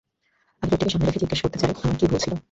আমি কুট্টিকে সামনে রেখে, জিজ্ঞাসা করতে চাই, আমার ভুল কি ছিল?